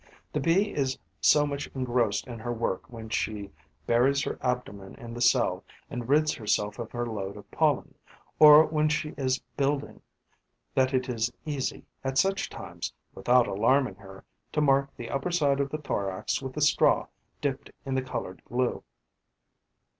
The Bee is so much engrossed in her work when she buries her abdomen in the cell and rids herself of her load of pollen, or when she is building, that it is easy, at such times, without alarming her, to mark the upper side of the thorax with a straw dipped in the coloured glue.